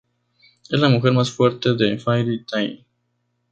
Es la mujer más fuerte de Fairy Tail.